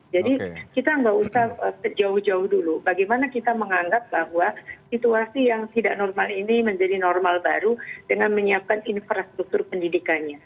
kita nggak usah jauh jauh dulu bagaimana kita menganggap bahwa situasi yang tidak normal ini menjadi normal baru dengan menyiapkan infrastruktur pendidikannya